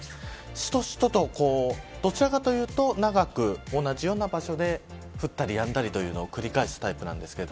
しとしとと、どちらかというと長く同じような場所で降ったり、やんだりを繰り返すタイプです。